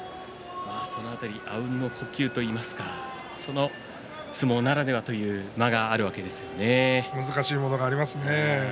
あうんの呼吸といいますか相撲ならではの間が難しいものがありますよね。